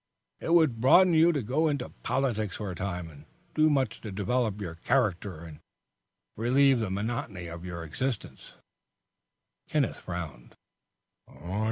It would broaden you to go into politics for a time, and do much to develop your character and relieve the monotony of your existence." Kenneth frowned.